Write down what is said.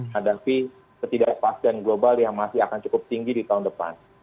hadapi ketidakpastian global yang masih akan cukup tinggi di tahun depan